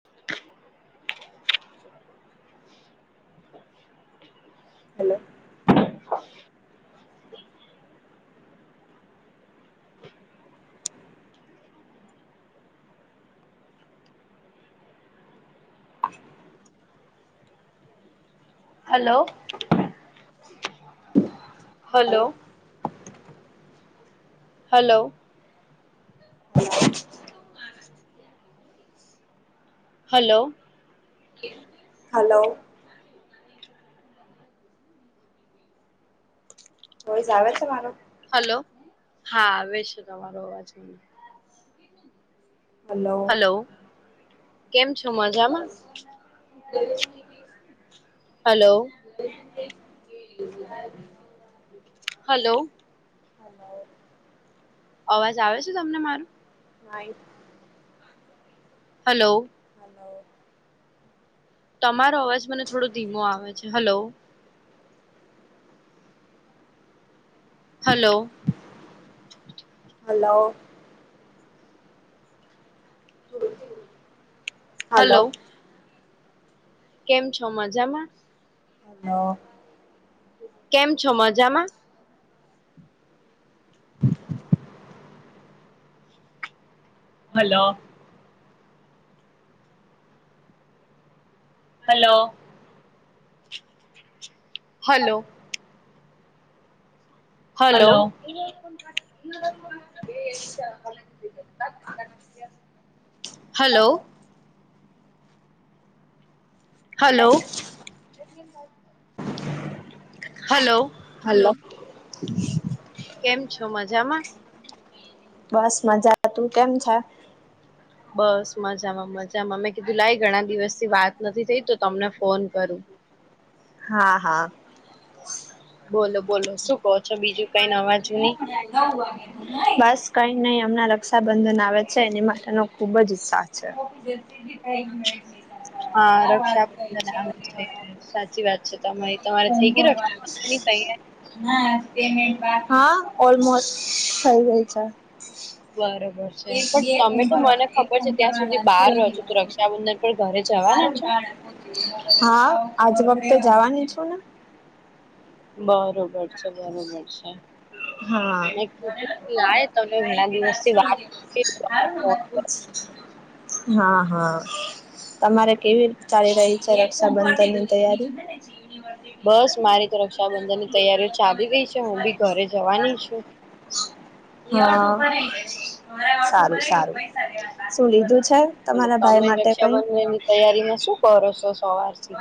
[inaudible] Hello- hello- hello- hello- [inaudible] hello- hello- voice આવે છે મારો- હલો હા આવે છે તમારો અવાજ મને- હલો- કેમ છો મજામાં હલો- હ [unintelligible] હલો- હ [unintelligible] અવાજ આવે છે તમને મારું- આ [unintelligible] હલો- [inaudible] તમારો અવાજ મને થોડો ધીમો આવે છે હલો- હલો [unintelligible] હલો- [inaudible] હાલો! હલો કેમ છો! મજામાં. હ. કેમ છો! મજામાં. Hello! Hello! Hello! Hello! [inaudible] [inaudible] Hello! Hello! Hello! Hello! કેમ છો! મજામાં. બસ મજા, તું કેમ છે? બસ મજામાં- મજામાં મેં કીધું લાઈ ઘણા દિવસ થી વાત નથી થઈ તો તમને ફોન કરું. હા! હા! બોલો! બોલો! શું કહો છો, બીજું કઈ નવા જૂની. [unintelligible] નવ વાગે બસ કઈ નહી અમણાં રક્ષાબંધન આવે છે. એની માટેનો ખુબ જ ઉત્સાહ છે. [inaudible] ટાઈમ [inaudible] હા, રક્ષાબંધન આવે છે સાચી વાત છે તમારી તમારે થઈ ગેઇ ર [unintelligible] ની તૈયારી. હા! ઓલમોસ થઇ ગયી છે. બરોબર છે એક પણ બે તમે ફોર્મ તો મને ભરવાના એક ફોમ ભરવાનો છેલ્લો દિવસ [unintelligible] પણ ઘરે જ હા, આજ વખતે જવાની છું ને! બરોબર છે! બરોબર છે! હા મેં કીધું લાઇ તને ઘણા દિવસથી વાત [unintelligible] ફોન. કરું. હા! હા! તમારે કેવી ચાલી રહી? [unintelligible] રક્ષાબંધની તૈયારી? બસ મારી તો રક્ષાબંધન ની તૈયારીઓ ચાલી રહી છે હું બી ઘરે જવાની છું. [inaudible] હા, સારું- સારું શું લીધું છે? તમારા ભાઈ માટે કંઈ? તૈયારી માં શું કરો સોં સવારથી?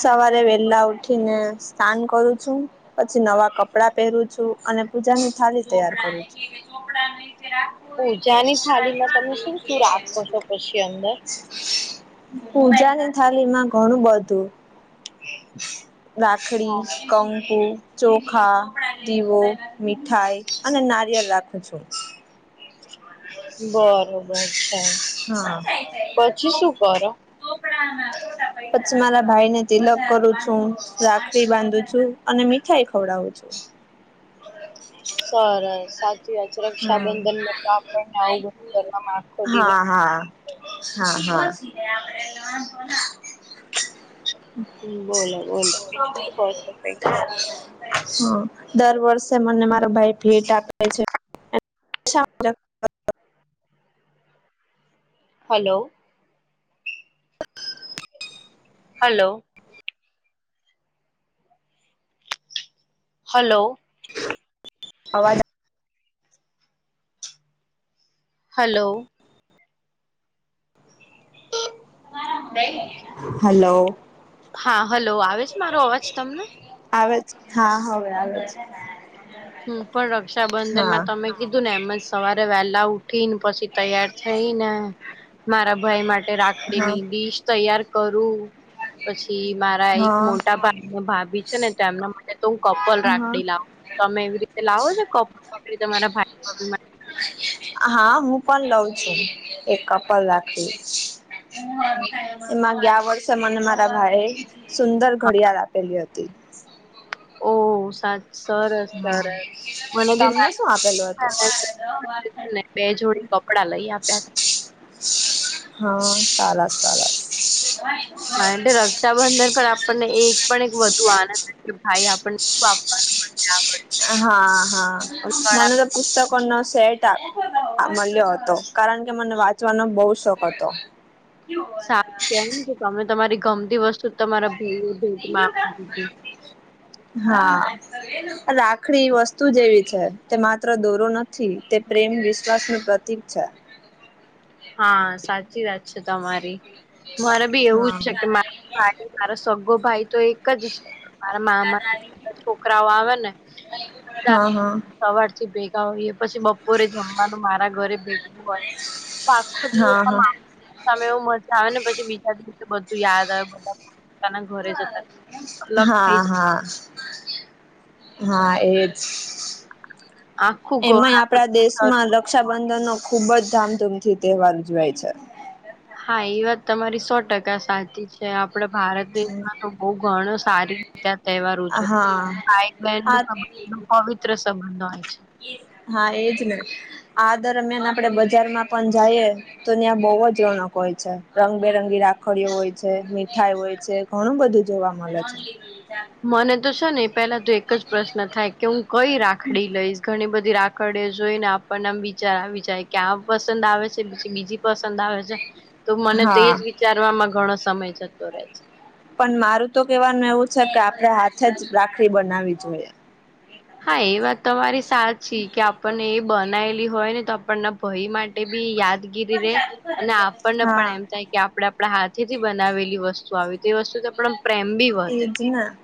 સવારે વેલા ઉઠી ને સ્નાન કરું છું. પછી નવા કપડા પહેરું છું અને પૂજાની થાળી તૈયાર કરું છું. કોઈ કે છોકરાની [unintelligible] કે પૂજાની થાળીમાં તમે શું શું રાખો છો પછી અંદર? મોઢું. પૂજાની થાલી માં ઘણું બધું. રાખડી હા. કંકુ. ચોખા દીવો મીઠાઈ અને નારિયેળ રાખું છું. બરોબર છે. હા પછી શું કરો? [inaudible] પછી મારા ભાઈ ને તિલક કરું છું રાખડી બાંધું છું. અને મીઠાઈ ખવડાવું છું. સરસ સાચી વાત છે હા રક્ષાબંધન માટે આપણને આવું બંધ કરવાવામાં આખો હા દિવસ હા! હા, હા બોલો! બોલો! બીજું [unintelligible] હ દર વર્ષે મને મારો ભાઈ ભેટ આપે છે શા હલો હલો હલો અવાજ- હલો- હલો- હા હલો આવે છે મારો અવાજ તમને? આવે જ હા હવે આવે- હું પણ રક્ષાબંધન માં હા તમે- કીધું ને એમજ સવારે વેલા ઉઠી ને પછી તૈયાર થઈ ને- મારા ભાઈ માટે હા રાખડીની ડીશ તૈયાર કરું- પછી મારા એક હા મોટા ભાઈને ભાભી છે ને તેમના માટે તો હું કપલ હા. રાખડી લાવુ - તમે એવી રીતે લાવો છ કપડ કપડી તમારા ભાઈ ભાભી માટે- હા હું પણ લઉં છું એક કપલ રાખવી- એમાં ગયા વર્ષે મને મારા ભાઈ- સુંદર ઘડિયાળ આપેલી હતી- ઓ સાત સરસ હા. સરસ મને બી તમને મા- શું આપેલું હતું? ને બે જોડી કપડા લઈ આપ્યા- હા સાર સાર [unintelligible] નાન્ટ બંદર પર આપણને એક પણ એક વધુ આનંદ છે કે ભાઈ આપણનેપવાનું- હા હા ઘણા મને તો [unintelligible] પુસ્તકોનો સેટ મળ્યો હતો કારણ કે મને વાંચવાનો બહુ શોખ હતો- સાારું કે ને કે તમે તમારી ગમતી વસ્તુ તમારા ભાઈ એ ભ- [unintelligible] હા રાખડી વસ્તુ જેવી છે તે માત્ર દોરો નથી- થી તે પ્રેમ વિશ્વાસનું પ્રતિક છે. હા સાચી વાત છે તમારી- મારે બી એવું હા છે કે મારા ભાઈ મારો સગગો ભાઈ તો એક જ છે. મારા મામાધા છોકરાઓ આવે ને હા સવારથી ભેગા હોઈએ પછી બપોરે જમવાનું મારા ઘરે ભેગવું હોય- પાખો દિવસ હા હા હા તમે એવ મજા આવે ને પછી બીજા દિવસે બધું યાદ આવે બધા- ઘરે જતા અલગ હા થઈ હા હા એજ- જાય આખું ઘર એમાંય આપણા આખું દેશમાં- રક્ષાબંધન નો ખુબ જ ધામધૂમથી તહેવાર ઉજવાય છે. હા એ વાત તમારી સો ટકા સાચી છે. આપડે ભારત દેશમાં તો બહ ઘણું સારી- ત્યાં તહેવાર ઉજ હા ભાઈ બહેન આ ન સંબંધ ન પવિત્ર સંબંધ હોય છે. હા એજ ને આ દરમિયાન આપડે બજારમાં પણ જઈએ- તો ત્યાં બહુ જ રોણક હોય છે રંગબેરંગી રાખડીઓ હોય છે મીઠાઈ હોય છે. ઘણું બધું જોવા મળે છે. મને તો છે ને પેલા તો એક જ પ્રશ્ન થાય કે હું કઈ રાખડી લઈશ ઘણી બધી રાખ- આખડે જોઈ ને આપણને આમ વિચાર આવી જાય ક્યાં પસંદ આવે છે બીજી પસંદ આવે છે. તો મને તેજ હા વિચારમાં ઘણો સમય જતો રહે છે. પણ મારું તો કેવાનું એવું છે કે આપડણે હાથે જ રાખડી બનાવી જોઈએ- હા એ વાત તમારી સાચી કે આપણને એ બનાયલી- હોય ને તો આપણના ભય માટે બી યાદગીરી રે અને આપણને પણ હા એમ થાય કે આપડા- આપણા હાથે થી બનાવેલી વસ્તુ આવી તો એ વસ્તુ તો આપ પ્રેમ બી- એ વધે જ ના-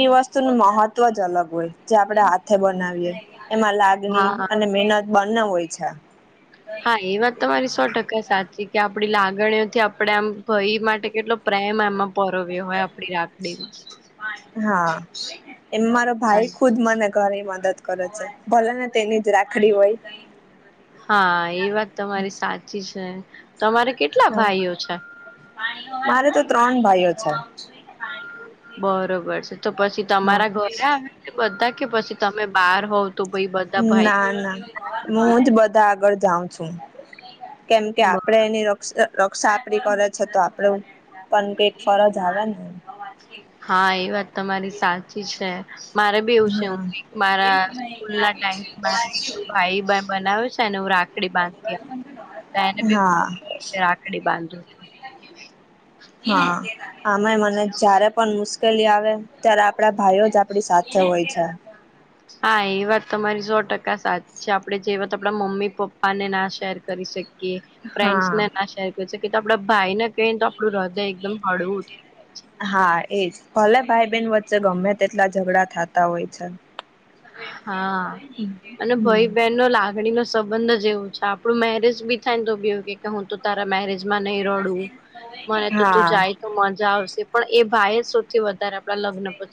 એ વસ્તુ નું મહત્વ જ અલગ હોય જે આપડે હાથે બનાવીએ એમાં લાગ હા અને મેનત બંને હોય છે હા એ વાત તમારી સો ટકા સાચી કે આપણી લાગણીઓથી આપણે આમ ભય માટે કેટલો પ્રેમ એમાં પરવ હોય આપડી રાખડીમાં હા એમ મારો હા ભાઈ ખુદ મને ઘરી મદદ કરે છે ભલે ને તેની જ રાખડી હોય. હા એ વાત તમારી સાચી છે તમારે કેટલા હા ભાઈઓ છે? મારે તો ત્રણ ભાઈઓ છે. બરોબર છે તો પછી હા. તમારા ઘરે આવે બધા કે પછી તમે બાર હોવ તો ભાઈ બ બધા ના ના હું જ બધા આગળ જાઉં છું. કેમ કે આપડે એની રક્ષા રક્ષા આપડી કરે છે તો આપડું પણ કઈક ફરજ આવે ને. હા એ વાત તમારી સાચી છે મારે બી એવું છે હું હા. મારા સ્કૂલ ના ટાઈમથી મારે ભાઈ [inaudible] બનાવ છે ને હું રાખડી બાંધ હા રાખડી બાંધુ છું. હા આમે મને જયારે પણ મુશ્કેલી આવે ત્યારે આપડા ભાઈઓ જ આપડી સાથે હોય છે. હા એ વાત તમારી સો ટકા સાચ આપડણે જે વાત આપડા મમ્મી પપ્પા ને ના શેર કરી શ કીએ ફ્રેન્ડસ ને હા. ના શેર કર છે કે આપડા ભાઈને કહી તો આપણું હૃદય એકદમ હળવું થાય હા એજ ભલે ભાઈ બેેન વચ્ચે ગમે તેટલા ઝઘડા થતા હોય છે. હા અને હમ. ભાઈ બહેન નો લાગણી નો સંબંધ જ એવું છે આપણું મેરેજ બી થાય ને તો બીવું કે હું તો તારા મેરેજ માં નઈ રડું મને તો તું હા. જાય તો મજા આવશે પણ એ ભાઈ સૌથી વધારે આપડા લગ્ન પ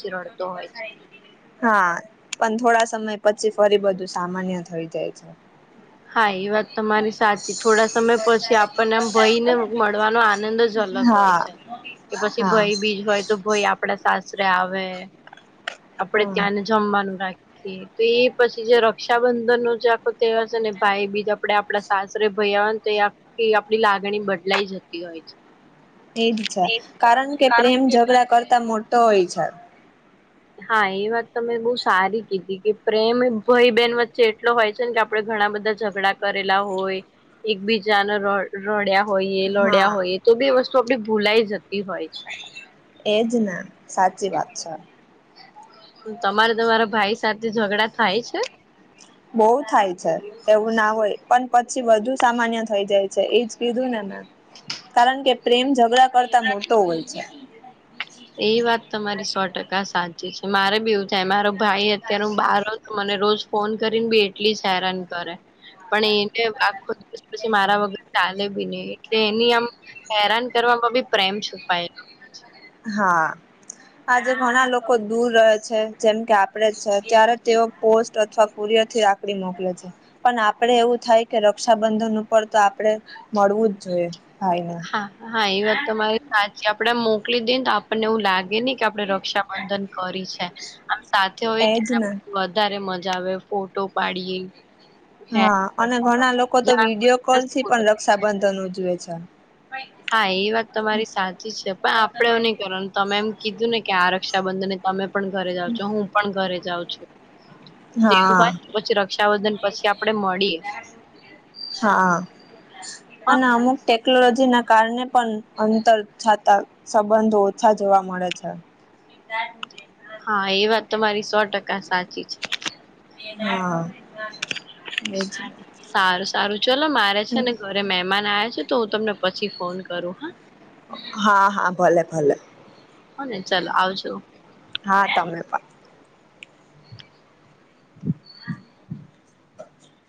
[inaudible] હા પન થોડા સમય પછી ફરી બધું સામાન્ય થઈ જાય છે. હા એ વાત તમારી સાચી થોડા સમય પછી આપણને આમ ભય ને મળવાનો આનંદ જ અલગ હોય હા છે કે પછી હા ભય બીજ હોય તો ભય આપડા સાસરે આવે આપડે હા. ત્યાંને જમવાનું રાખીએ તો એ પછી જે રક્ષાબંધન નો જે આખો તહેવાર છે ને ભાઈ બીજ આપડે આપડા સાસરે ભાઈ હોને તો આખી આપડી લાગણી બદલાઈ જતી હોય છે. એજ છે કારણ કે પ્રેમ ઝઘડા કરતા મોટો હોય છે. હા એ વાત તમે બો સારી કીધી કે પ્રેમ ભાઈ બેહેન વચ્ચે એટલો હોય છે ને કે આપણે ઘણા બધા ઝઘડા કરેલા હોય એકબીજાને ર રડ્યા હોઈય લડ્યા હા હોઈય તો બી વસ્તુ આપડી ભૂલાય જતી હોય છે. એજ ને સાચી વાત છે. તમારે તમારા ભાઈ સાથે ઝઘડા થાય છે? બો થાય છે. એવું ના હોય પણ પછી બધુ સામાન્ય થઈ જાય છે એજ કીધું ને મેં કારણ કે પ્રેમ ઝઘડા કરતા મોટો હોય છે. એ વાત તમારી સો ટકા સાચી છે મારે બી એવું થાય મારો ભાઈ અત્યાર બાર મને રોજ ફોન કરીને બી એટલી હેરાન કરે પણ એને આખો દિવસ પછી મારા વગર ચાલે બી ની એટલે એની આમ હેરાન કરવામાં બી પ્રેમ છુપાયલો હા આજે ઘણા લોકો દૂર રહે છે જેમ કે આપડે છે ત્યારે તેઓ પોસ્ટ અથવા કુરયરથી રાખ ડી મોકલે છે. પણ આપડે એવું થાય કે રક્ષાબંધન ઉપર તો આપડે મળવું જ જોઈએ ભાઈને હા હા એ વાત તમારી સાચી આપડે મોકલી દઈએને તો આપણને એવું લાગે ની કે આ પડે રક્ષાબંધન કરી છે આમ સાથે હોય એજ તેના ને વ ધારે મજા આવે ફોટો પાડીએ, હેર હા, અને કરતા ઘણા કરતા લોકો તો મજા આવે, આખો વિડીયો કોલ દિવસ થી પૂરો પણ થઈ જાય. રક્ષાબંધન ઉજવે છે. હા એ વાત તમારી સાચી છે, પણ આપડે એવું નહી કરવાનુ તમે એમ કીધું ને કે આ રક્ષાબંધનને તમે પણ ઘરે જાઓ છો, હું પણ ઘરે જાઉં છું. તેવું હા હોય તો પછી રક્ષાાબંધન પછી આપડે મળીએ, હા, હા અને અમુક ટેકનોલોજીના કારણે પણ અંતર જાતા સંબંધો ઓછા જોવા મળે છે. [unintelligible] હા, એ વાત તમારી સો ટકા સાચી છે. હા એજ. સારું સારું ચલો મારે છે ને ઘરે મહેમાન આ છે તો હું તમને પછી ફોન કરું હા. હા, હા ભલે ભલે હોને ચાલો આવજો. હા તમે પણ [inaudible]